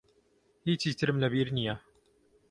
هیچی ترم لە بیر نییە.